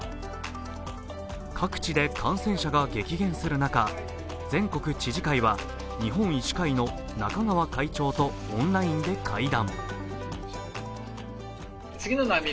各地で感染者が激減する中、全国知事会は日本医師会の中川会長とオンラインで会談。